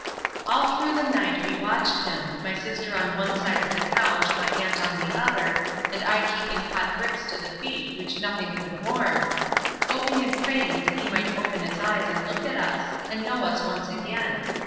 All through the night we watched him—my sister on one side of the couch, my aunt on the other, and I keeping hot bricks to the feet which nothing could warm, hoping and praying that he might open his eyes and look at us, and know us once again.